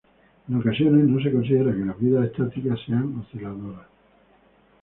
En ocasiones, no se considera que las vidas estáticas sean osciladores.